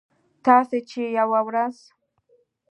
تاسې چې یوه ورځ